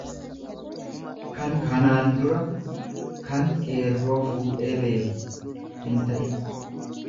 kan kanaan dura kan qeerroo fuudhee beeku, hinta'in.